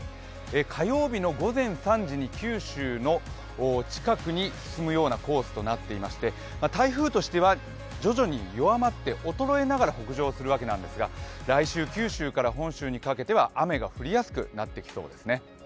火曜日の午前３時に九州の近くに進むようなコースとくなっていまして台風としては徐々に弱まって衰えながら北上するわけなんですが来週、九州から本州にかけては雨が降りやすくなってきそうですね。